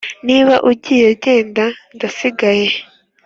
niba ugiye nge ndasigaye,